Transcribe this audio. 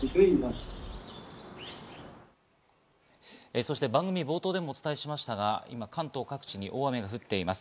そして番組冒頭でもお伝えしましたが、今関東各地に大雨が降っています。